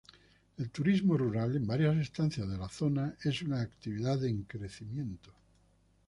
El turismo rural en varias estancias de la zona es una actividad en crecimiento.